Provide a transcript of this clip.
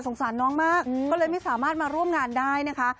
สารน้องมากก็เลยไม่สามารถมาร่วมงานได้นะคะ